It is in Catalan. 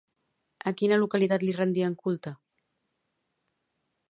A quina localitat li rendien culte?